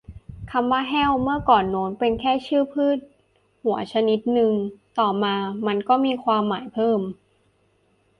คำว่า แห้ว เมื่อก่อนโน้น ก็เป็นแค่ชื่อพืชหัวชนิดนึง ต่อมามันก็มีความหมายเพิ่ม